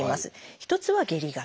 一つは「下痢型」。